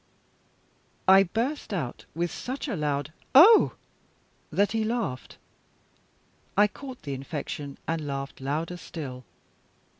I burst out with such a loud "Oh!" that he laughed. I caught the infection, and laughed louder still.